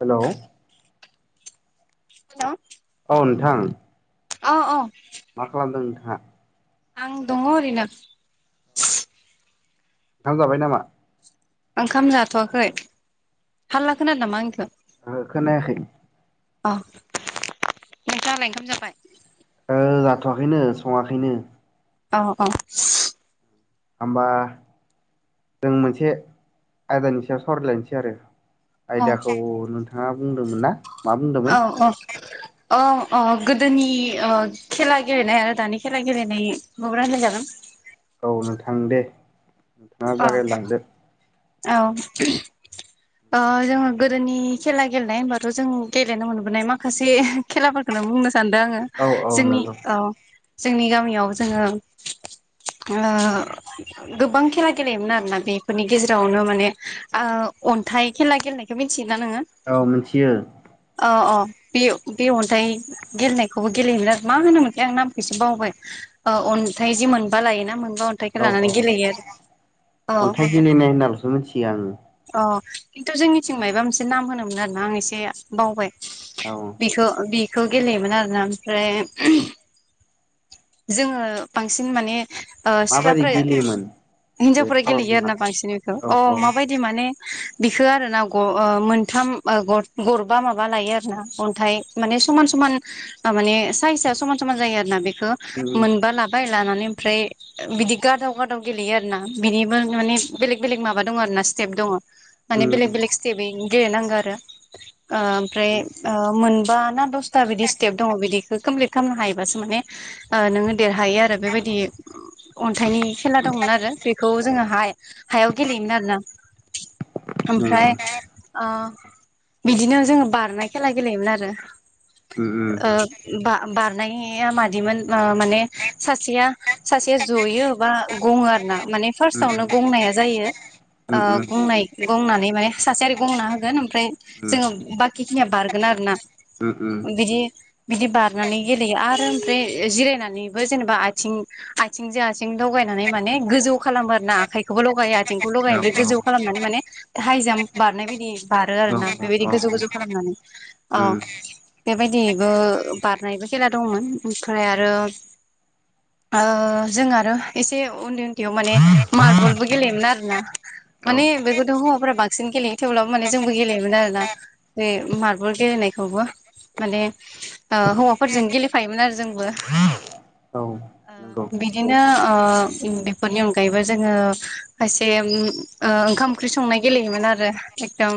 Hello hello औ नोंथां। औ औ मा खालामदों नोंथाङा? आं दङ ओरैनो। ओंखाम जाबाय नामा? ओंखाम जाथवाखै हालला खोनादों नामा आंनिखौ? ओहो खोनायाखै। अ नोंथाङालाय ओंखाम जाबाय? ओ जाथ'वाखैनो सङाखैनो। औ औ होमबा जों मोनसे आयदानि सायाव सावरायलायनोसै आरो। अ आयदाखौ नोंथाङा बुंदोंमोन ना मा औ बुंदोंमोन? औ गोदोनि खेला गेलेनाय आरो दानि खेला गेलेनाय माब रलाय जागोन। औ नोंथां दे नोंथाङा अ जागायलांदो। औ जोङो गोदोनि खेला गेलेनाय होनबाथ' जों गेलेनो मोनबोनाय माखासे खेलाफोरखौनो बुंनो सानदों आङो औ औ जोंनि नंगौ औ जोंनि गामियाव जोङो गोबां खेला गेलेयोमोन आरोना बेफोरनि गेजेरावनो माने अन्थाइ खेला गेलेनायखौ मिथियोना नोङो? औ मिनथियो। अ अ बे बे अन्थाइ गेलेनायखौबो गेलेयोमोन आरो मा होनोमोनथाय आं नामखौ एसे बावबाय। अ अन्थाइ जि मोनबा लायोना मोनबा अन्थाइखौ औ औ लानानै गेलेयो आरो आ। [unintelligible] मिथियो आङो अ खिन्थु जोंनिथिं मायबा मोनसे नाम होनोमोन आरोना आं एसे बावबाय। औ बिखौ बिखौ गेलेयोमोन आरोना ओमफ्राय जोङो बांसिन माने ओ माबायदि सिख्लाफोरा गेलेयोमोन दे हिन्जावफोरा सावराय गेलेयो आरो बुंना ना बांसिन बेखौ औ अ औ माबायदि माने बिखो आरो ना ग मोनथाम गरबा माबा लायो आरोना अन्थाइ माने समान समान माने साइजआ समान समान जायो आरो ना बेखौ उम मोनबा लाब लााय लानानै ओमफ्राय बिदि गादाव गादाव गेलेयो आरो ना बिनिबो माने बेलेग बेलेग माबा दङ आरो ना स्टेप दङ। माने बेलेक उम बेलेग स्टेपनि गेलेनांगौ आरो ओ ओमफ्राय मोनबा ना दस बिदि स्टेप दङ बिदिखौ कमप्लिट खालामनो हायोबासो माने नोङो देरहायो आरो। बेबायदि अन्थाइनि खेला दंमोन आरो बेखौ जोङोहाय हायाव गेलेयोमोन आरोना। नंगौ ओमफ्राय ओ बिदिनो जोङो बारनाय खेला गेलेयोमोन आरो। उम उम ओ बा-बारनाया मादिमोन ओ माने सासेया सासेया जयो बा गङो आरो ना माने उम फार्स्टावनो गंनाया जायो। उम ओ उम। गंनाय गंनानै माने सासेआ गंना होगोन ओमफ्राय उम जोङो बाखिखिनिया बारगोन आरोना। उम उम बिदि बिदि बारनानै गेलेयो आरो ओमफ्राय ओ जिरायनानैबो जेनेबा आथिं आथिंजों आथिं लगायनानै माने गोजौ खालामो आरोना आखाइखौबो लगायो आथिंखौ औ लगायो ओमफ्राय गोजौ खालामनानै माने हाइजाम्प बारनाय बायदि बारो आरोना बेबायदि औ गोजौ गोजौ खालामनानै औ। बेबायदिबो बारनायबो खेला दंमोन। ओमफ्राय आर ओो जों आरो एसे उन्दै याव माने मार्बलबो गेलेयोमोन आरोना। औ माने बेखौथ' हौवाफोरा बांसिन गेलेयो थेवब्लाबो माने जोंबो गेलेयोमोन आरोना। बे मार्बल गेलेनायखौबो माने ओ हौवाफोरजों गेलेफायोमोन आरो जों बो। उम औ। बिदिनो ओ बेफोरनि अनगायैबो जोङो खायसे उम ओ ओंखाम ओंख्रि संनाय गेलेयोमोन आरो एकदम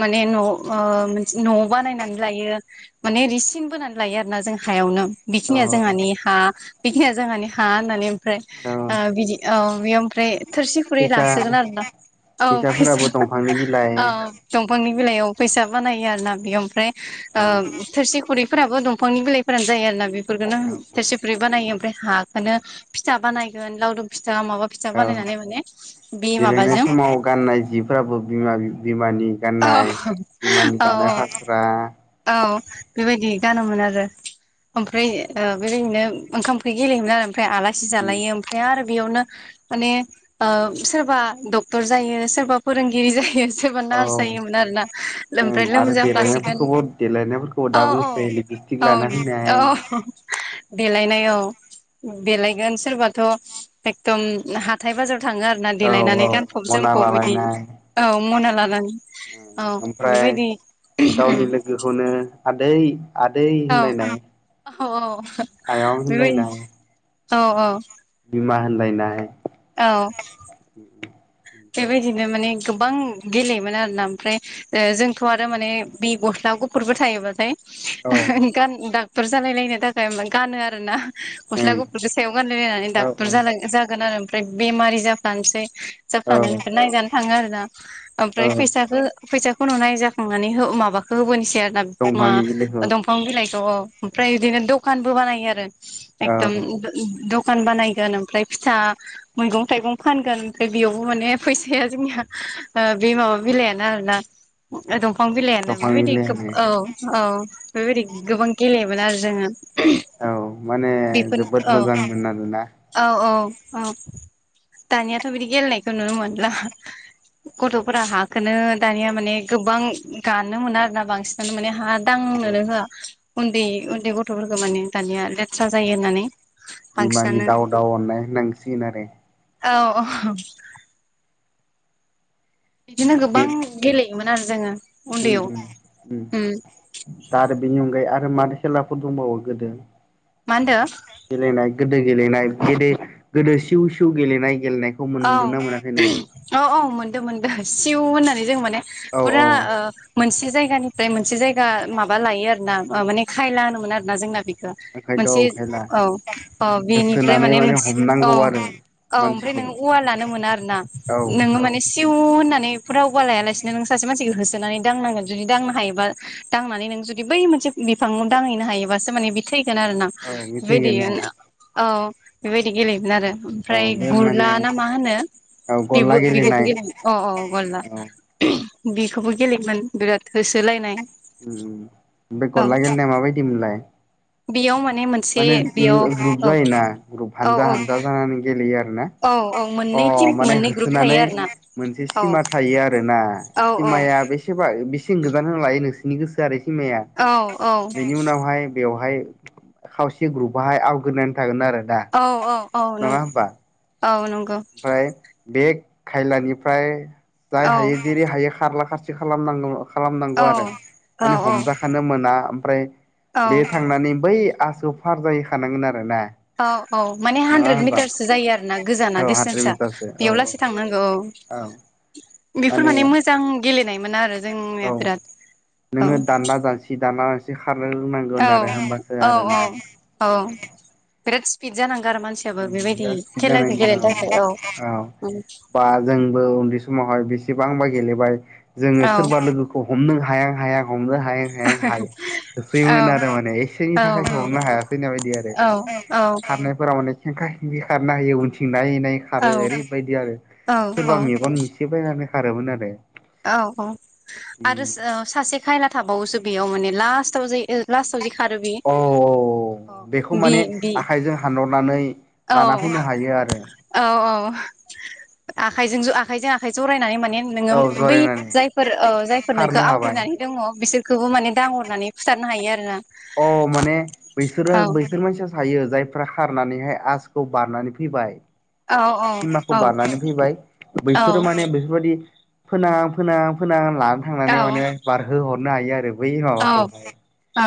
माने न' ओ न' बानायनानै लायो। माने रिसिन बोनानै लायो आरोना जों हायावनो। बेखिनिया जोंहानि हा बेखिनिया जोंहानि हा होननानै ओमफ्राय आ बिदि अ बे ओमफ्राय थोरसि खुरै फैसा लासोगोन आरोना। औ फैसा फैसाफोराबो दंफांनि बिलाइ औ दंफांनि बिलाइयाव फैसा बानायो आरोना बे ओमफ्राय औ ओ थोरसि खुरैफोराबो दंफांनि बिलाइ फोरानो जायो आरोना बेफोरखौनो औ थोरसि खुरै बानायो। ओमफ्राय हाखोनो फिथा बानायगोन लावदुम फिथा माबा फिथा बानायनानै माने बे गेलेनाय माबाजों समाव गाननाय जिफ्राबो बिमा बिमानि औ गाननाय बिमानि औ दानाय फाथ्रा औ बेबायदि गानोमोन आरो। ओमफ्राय ओ बेबायदिनो ओंखाम ओंख्रि गेलेयोमोन आरो ओमफ्राय आलासि जालायो ओमफ्राय आरो बेयावनो माने ओ सोरबा डक्टर जायो सोरबा फोरोंगिरि जायो सोरबा औ नार्स जायोमोन आरोना ओमफ्राय आरो लोमजाफ्लासिगोन। देलायनायफोरखौबो देलायनायफोरखौबो दा औ औ। बुंसै लिपस्टिक औ लाना फैनाय औ देलायनाय औ। देलायगोन सोरबाथ' एकदम हाथाय बाजाराव थाङो फानना औ देलायनानै औ गानफब मना जोमफब बिदि लालायनाय औ मना लानानै। औ बेबायदि उम। बेखौनो आदै आदै औ होनलायनाय औ औ आयं बेबाय होनलायनाय औ औ। बिमा होनलायनाय औ। उ उम। बेबायदिनो माने गोबां गेलेयोमोन आरोना ओमफ्राय ओ जोंथ' आरो माने बि गस्ला गुफुरबो थायोबाथाय औ गान डाक्टर जालायलायनो थाखाय गानो आरोना। गस्ला ओं गुफुरखो सायाव गानलायलायनानै औ डाक्टर जानां-जागोन आरो ओमफ्राय बेमारि जाफ्लानसै। औ जाफ्लानायनिफ्राय नायजानो थाङो आरोना। ओमफ्राय औ फैसाखो फैसाखौ नुनाय जाखांनानै हो माबाखौ होबोनोसै आरोना मा दंफांनि बिलाइखौ दं दफां बिलाइखौ ओमफ्राय बिदिनो दखानबो बानायो आरो एकदम औ दखान बानायगोन ओमफ्राय फिसा मैगं थाइगं फानगोन ओमफ्राय बेयावबो माने फैसाया जोंनिया बे माबा बिलइानो आरोना दफां बिलाइनो दंफांनि बेबायदि बिलाइ गो होनो औ औ बेबायदि गोबां गेलेयोमोन आरो जोङो। औ माने बेफोर जोबोद औ मोजांमोन आरोना औ औ औ दानियाथ बिदि गेलेनायखौ नुनो मोनला गथफोरा हखौनो दानिया माने गोबां गाननो मोना आरोना बांसिन माने हा नंगौ दांनोनो होआ उन्दै उन्दै गथ'फोरखौ माने दानिया लेथ थ्रा जायो होननानै बिमानि बांसिनानो दाव दाव अननाय होननांसिगोन आरो औ औ बिदिनो गोबां आरो गेलेयोमोन आरो जोङो उन्दैयाव उम दा आरो बेनि अनगायै आरो माद खेलाफोर दंबावो गोदो मा होनदो गेलेनाय गोदो गेलेनाय गोदो गोदो सिउ सि गेलेनाय गेलेनाय औ औ औ मोनदों मोनदों सिउ होननानै जों माने औ औ फुरा ओ मोनसे जायगानिफ्राय मोनसे जायगा माबा लायो आरोना माने खायला होनोमोन आरोना जोंना बेखौ ओंखायनोथ' मोनसे औ खेला औ औ बेनिफ्राय होसोनानै माने मोनसे हमनांगौ औ आरो औ ओमफ्राय मानसिखौ नोङो औवा लानो मोना आरोना औ नोङो माने सिउ होन्नानै राव बा लायालासिनो नों सासे मानसिखौ होसोनानै दांनांगोन जुदि दांनो हायोबा दांनानै नों जुदि बै मोनसे बिफाङाव दांहैनो हायोबासो माने बि थैगोन आरो ना औ बे थैगोन बेदियो औ ओ बेबायदि गेलेयोमोन आरो औ ओमफ्राय बे गुरला माने ना मा होनो औ बि गल्ला बिहुर गेलेनाय अ अ गलला औ बिखौबो गेलेयोमोन बिराद होसोलायनाय ओमफ्राय औ गला गेलनाया माबायदिमोनलाय बेयाव माने मोन माने ग्रु ग्रुप जायोना ग्रुप औ हानजा हानजा जानानै गेलेयो आरोना औ औ अ मोननै टिम माने मोननै ग्रुप थायो होथोनानै आरो ना मोनसे औ सिमा थायो आरोना औ औ सिमाया बे [unintelligible] बेसेन गोजान होनो लायो नोंसोरनि गोसो आरो सिमाया [unintelligible] औ बेनि उनावहाय बेवहाय खावसे ग्रुपहाय आवग्रिनानै थागोन आरो दा औ औ औ औ नंगौ ओफ्राय बे खायलानिफ्राय जाय औ हायो जेरै हायो खारला खारसि खालामनांगो औ खालामनांगौ आरो माने औ हमजा खानो मोना ओमफ्राय औ बे थांनानै बै आसु फार जाहैखानांगोन आरोना औ औ माने हानद्रेद मिटारसो जायो आरो ना गोजाना औ हाद्रि दिस्टेनसआ मिटारसो औ बेयाव लासै थांनांगौ औ बेफोर माने मोजां गेलेनायमोन आरो औ जोंनिया बिराद औ नोङो दानना दानसि दानना दानसि खारनो रोंनांगौ औ [unintelligible] होमबासो औ आरोना औ औ बिराद स्पिड जानांगौ आरो मानसि थेवबो बेबायदि बिराद खेलाखौ जानायनि गेलेनो थाखाय औ औ उम बा जोंबो उन्दै समावहाय बेसेबांबा गेलेबाय जोङो औ सोरबा लोगोखौ हमनो हाया हाय हमनो हाय हाय हाय औ होयोमोन आरो माने एसेनि औ थाखाय हरनो हायासै होननाय बायदि आरो औ खारनायफोराव माने खेंखा खेंखि खारना हायो उनथिं नायै नायै औ खारो ओरैबायदि आरो औ सोरबा मेगन मेसे फायनानै खारोमोन आरो औ औ आरो ओ सासे खायना थाबावोसो बेयाव माने लास्टाव जाय ओ लास्टआव जि खारो बि औ औ बेखौ माने बि आखाइजों हानहरनानै औ लाना फैनो हायो आरो औ -औ आखाइजों ज' आखाइजों आखाइ जरायनानै माने नोङो औ बै जरायनानै जायफोर ओ जायफोर नोंखौ खारनो हाबाय आवग्रिनानै दङ बिसोरखौबो माने दांरनानै फुथारनो हायो आरो ना अ माने बैसोरो-बैसोर मानसि थायो जायफ्रा खारनानैहाय आसखौ बारनानै फैबाय औ सिमाखौ औ औ बारनानै फैबाय औ बैसोरो माने बेफोरबायदि फोनां फोनां फोनां लानो थांनानै माने बारहो हरनो हायो आरो बै औ माबाखौहाय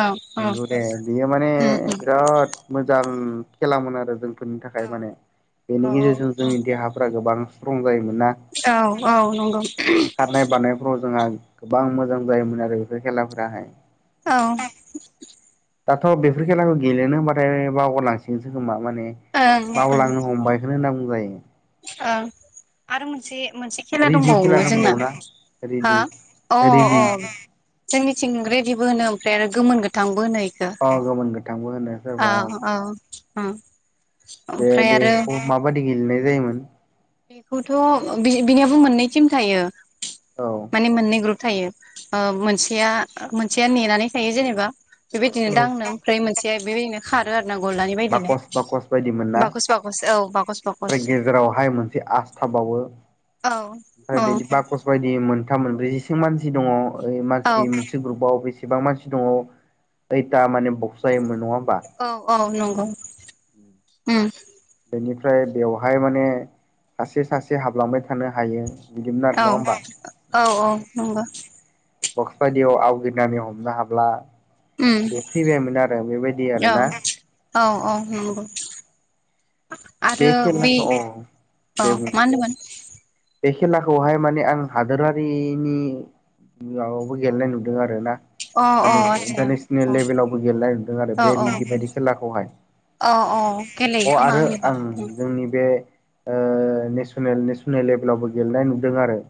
औ औ नंगौ दे बियो माने उम उम बिराद मोजां खेेलामोन आरो जों फोरनि थाखाय औ माने औ बेनि गेजेरजों जोंनि देहाफ्रा गोबां स्ट्रं जायोमोन ना औ औ नंगौ खारनाय बारनायफ्राव जोंहा गोबां मोजां जायोमोन आरो बेफोर खेलाफोराहाय औ दाथ' बेफोर खेलाखौ गेलेनो होमबाथाय बावगारलांसिगोनसो खोमा माने ओं ओं बावलांनो हमबाय होनो होनना बुंजायो ओं खेला रेदि खेला दंबावोमोन जोंना दंबावोना हा रेदि अ रेदि अ जोंनिथिं ग्रेडिबो होनो ओमफ्राय आरो गोमोन गोथांबो होनो अ गोमोन गोथांबो होनो औ सोरबा औ उम बे बेखौ माबादि गेलेनाय जायोमोन? बेखौथ' बिनियाबो मोननै टिम थायो औ माने मोन्नै ग्रुप थायो ओ मोनसेया - मोनसेया नेनानै थायो जेनेबा बेबायदिनो दांनो ओमफ्राय मोनसेया बेबैनो खारो आरोना गललानि बायदिनो बाकस बाकस बायदिमोन बाकस बाकस औ बाकस बाकस जेरावहाय मोनसे आस थाबावो। औ ओमफ्राय औ बिदि बकस बायदि मोनथाम मोनब्रैसिम मानसि दङ ओइ औ मानसि मोनसे ग्रुपआव बे एसेबां मानसि दङ कैथा माने बक्स जायोमोन नङा होमबा औ औ नंगौ उम बेनिफ्राय बेवहाय माने सासे सासे हाबलांबाय थानो हायो बिदिमोन आरो नङा औ होमबा औ औ नंगो बक्सबादियाव आवग्रिनानै हमनो हाब्ला उम बे फैबायमोन आरो बेबायदि औ आरोना औ औ नंगौ आरो बे खेलाखौ औ औ दे बुं मा होनदोंमोन बे खेलाखौहाय माने आं हादोरारिनि माबायावबो गेलेनाय नुदों आरोना अ अ आदसा इन्टारनेसनेल लेभेलावबो गेलेनाय नुदों आरो अ औ बे औ रिदि बायदि खेलाखौहाय औ औ गेलेयो अ खोमा आरो आंनिबा आं उम जोंनि बे ओ नेसनेल-नेसनेल लेभेलावबो गेलेनाय नुदों आरो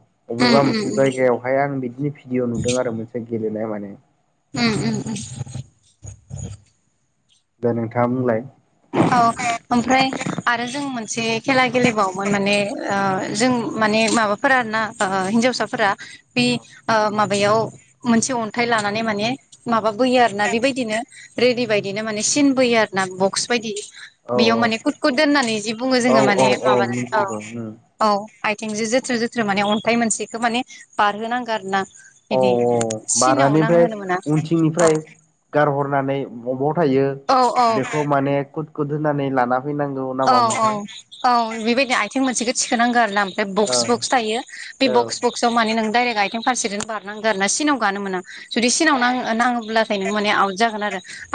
उम बबेबा उम मोनसे जायगायावहाय आं बिदिनि भिडिअ नुदों आरो मोनसे गेलेनाय माने उम उम उम दा नोंथाङा बुंलाय औ ओमफ्राय आरो जों मोनसे खेला गेलेबावोमोन माने ओ जों माने माबा फोर आरोना ओ हिनजावसाफोरा बे औ ओ माबायाव मोनसे अन्थाइ लानानै माने माबाबोयो आरोना बेबायदिनो रेडि बायदिनो माने सिनबोयो आरो ना ब'क्स बायदि औ बेयाव माने कुदखौ दोननानै जि बुङो औ जोङो माने औ माबानानै औ मिथिगौ औ आथिंजों जोथ्रोद-जोथ्रोद माने अन्थाइ मोनसेखो माने बारहोनांगो आरो ना। औ बिदि सिनाव बारानिफ्राय नांहोनो मोना औ उनथिंनिफ्राय गारहरनानै बबाव थायो औ औ [unintelligible] बेखौ माने कुद -कुद होननानै लाना फैनांगौ। औ - नामामोनथाय औ - औ बेबायदि आथिं मोनसेखौ थिखोनांगौ आरो ना बे औ बक्स-बक्स थायो बे औ बक्स-बक्स माने नों दडायरेक्ट आइथें फारसेदोनो बारनांगो आरो ना सिनाव गानो मोना जुदि सिनाव नाङो नाङोब्ला खानो नों माने आवत जागोन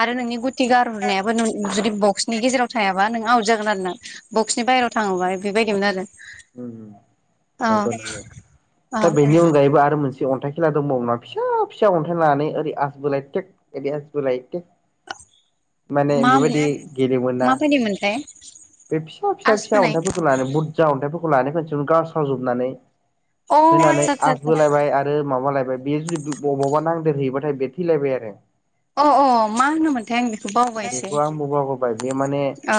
आरो नोंनि गुथि गारहरनायाबो नों जुदि बक्सनि गेजेराव थायाबा नों आवत जागोन गोन आरोना बक्सनि बाहेरायाव थाङोबा बेबायदि मोन आरो अ नंगौ नंगौ अ दा बेनि अनगायैबो आरो मोनसे अन्थाइ खेला दंबावो ना फिसा फिसा अन्थाइ लानानै ओरै आसबोलाय टेक [unintelligible] माने मा बेबायादि गेलेयोमोन ना माबायदिमोनथाय बे फिसा फिसा आस फिसा बोनाय अन्थाइफोरखौ लानै बुरजा अन्थाइफोरखौ लानै खनसे गावस्रावजोबनानै अ होनानै आदसा आदसा आदसा आजबोलायबाय आर रो माबालायबाय बेयो जुदि बबावबा नांदेरहैयोबाथाय बे थैलायबाय आरो अ अ मा होनोमोनथाय आं बेखौ [unintelligible] बावबायसो बेखौ आंबो बावगारबाय बे माने औ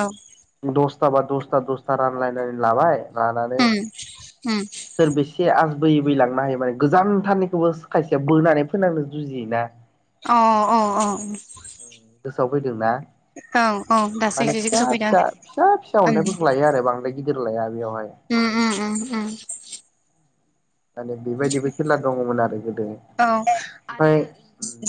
दसथा बा दसथा दसथा रानलायनानै लाबाय लानानै उम उम सोर बेसे आज बोयै बैलांनो हायो माने गोजानथाननिखौबो खायसेया बोनानै फोनांनो जुजियोना अ औ अ गोसोआव फैदों ना औ औ दासो माने एसे फिसा सफैदों आं फिसा फिसा फिसा अन्थाइफोरखौ लायो आरो बांद्राय गिदिर लाया बेयावहाय उम उम उम उम माने बेबायदिबो खेला दङमोन आरो गोदो औ आरो ओमफ्राय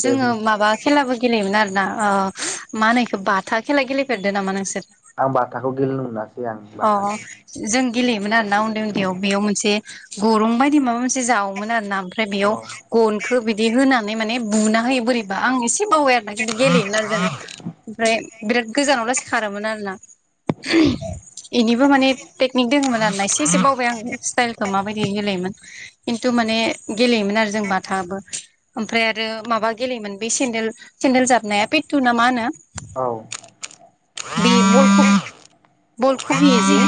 दे जोङो बुं माबा खेलाबो गेलेयोमोन आरोना ओ मा होनो इखो बाथा खेला गेलेफेरदों नामा नोंसोर आं बाथाखौ गेलेनो मोनासै आं अ बाथाखौ जों गेलेयोमोन आरोना उन्दै उन्दैयाव बेयाव मोनसे गरं बायदि माबा मोनसे जावोमोन आरोना आमफ्राय बेयाव गनखौ बि होनानै माने बुनाहो बोरैबा आं एसे बावबाय आरोना खिन्थु गेलेयोमोन आरो जों ओमफ्राय बिराद गोजानाव लासै खारोमोन आरोना। [inaudible] इनिबो माने टेकनिक दङमोन आरोना एसे एसे बावबाय आं स्टाइलखौ माबायदि होलायोमोन। खिन्थु माने गेलेयोमोन आरो जों बाथाबो ओमफ्राय आरो माबा गेलेयोमोन बे सेन्देल सेन्देल जाबनाया पेटु ना मा होनो औ बे बलखौ खुबियो जे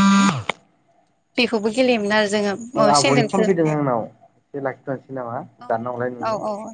बेखौबो गेलेयोमोन आरो। ओ जोङो आब'नि फन सेन्देलखौ फैदों आंनाव एसे लाखिथनोसै नामा दाना हरलाय औ नोंङो। औ औ